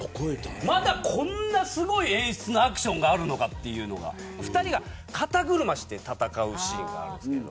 まだ、こんなすごい演出のアクションがあるのかというのが２人が肩車して戦うシーンがあるんですけど。